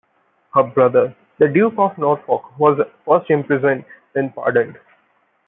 Her brother, the Duke of Norfolk, was first imprisoned, then pardoned.